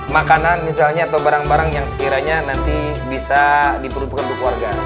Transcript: makanan misalnya atau barang barang yang sekiranya nanti bisa diperuntukkan untuk keluarga